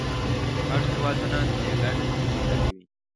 شپږ هېوادونه ترې ګډه استفاده کوي.